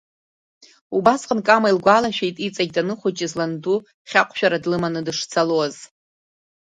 Убасҟан Кама илгәалашәеит иҵегь данхәыҷыз ланду хьаҟәшәара длыман дышцалоз.